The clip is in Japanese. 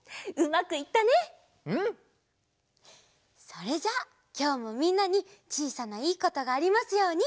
それじゃあきょうもみんなにちいさないいことがありますように。